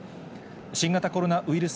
新型コロナウイルス